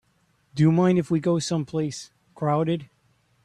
Do you mind if we go someplace crowded?